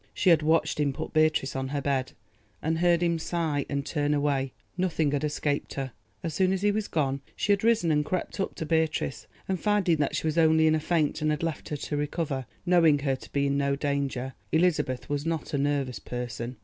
She had watched him put Beatrice on her bed, and heard him sigh and turn away; nothing had escaped her. As soon as he was gone, she had risen and crept up to Beatrice, and finding that she was only in a faint had left her to recover, knowing her to be in no danger. Elizabeth was not a nervous person.